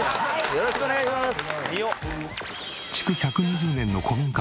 よろしくお願いします！